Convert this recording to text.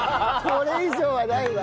これ以上はないわ。